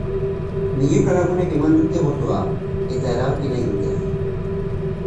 Milioika lagunek eman dute botoa, eta erabaki nahi dute.